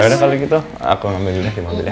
ya udah kalau gitu aku ambil dulu aja di mobil ya